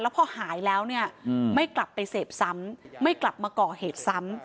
พอหายแล้วเนี่ยไม่กลับไปเสพซ้ำไม่กลับมาก่อเหตุซ้ำ